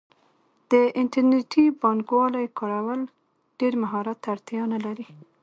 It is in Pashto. د انټرنیټي بانکوالۍ کارول ډیر مهارت ته اړتیا نه لري.